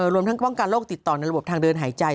รวมทั้งป้องกันโรคติดต่อในระบบทางเดินหายใจ